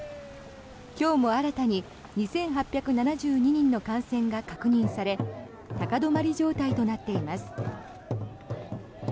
今日も新たに２８７２人の感染が確認され高止まり状態となっています。